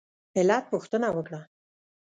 علت پوښتنه وکړه.